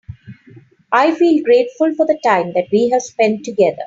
I feel grateful for the time that we have spend together.